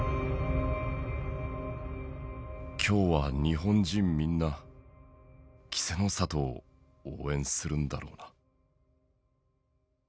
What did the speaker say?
「今日は日本人みんなキセノ里を応援するんだろうな」。